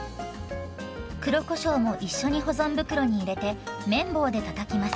黒こしょうも一緒に保存袋に入れて麺棒でたたきます。